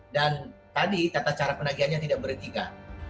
dan tadi tata cara penagiannya tidak berhenti kan